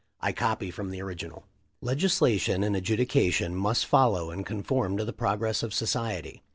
I copy from the original. "Legislation and adjudication must follow and conform to the progress of society.